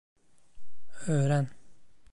Öğren!